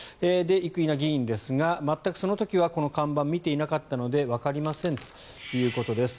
生稲議員ですが、全くその時はこの看板を見ていなかったのでわかりませんということです。